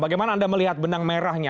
bagaimana anda melihat benang merahnya